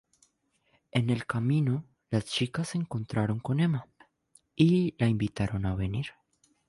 En el camino, las chicas se encontraron con Emma y la invitaron a venir.